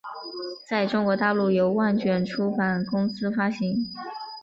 在中国大陆由万卷出版公司发行。